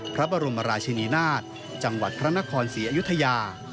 พระบรมราชินีนาฏจังหวัดพระนครศรีอยุธยา